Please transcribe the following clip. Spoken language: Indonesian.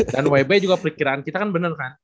dan yb juga pikiran kita kan bener kan